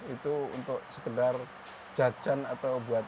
itu untuk sekedar jajan atau buat